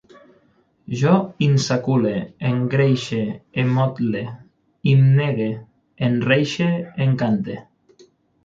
Jo insacule, engreixe, emmotle, himnege, enreixe, encante